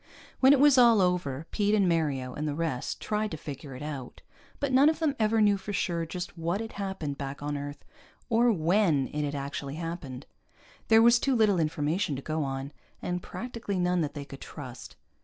When it was all over, Pete and Mario and the rest tried to figure it out, but none of them ever knew for sure just what had happened back on Earth, or when it had actually happened. There was too little information to go on, and practically none that they could trust.